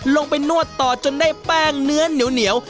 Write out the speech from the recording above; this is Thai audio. นวดต่อจนได้แป้งเนื้อเหนียว